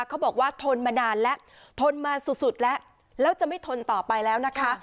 เขาบอกว่าทนมานานแล้วทนมาสุดแล้วแล้วจะไม่ทนต่อไปแล้วนะคะ